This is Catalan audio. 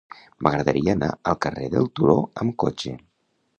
M'agradaria anar al carrer del Turó amb cotxe.